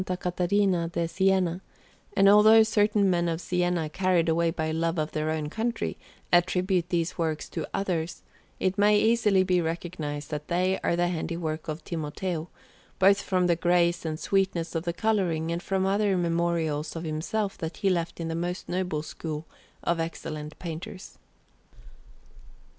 Caterina da Siena; and although certain men of Siena, carried away by love of their own country, attribute these works to others, it may easily be recognized that they are the handiwork of Timoteo, both from the grace and sweetness of the colouring, and from other memorials of himself that he left in that most noble school of excellent painters.